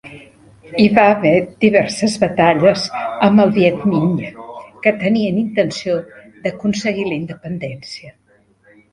Hi va haver diverses batalles amb el Viet Minh, que tenien intenció d'aconseguir la independència.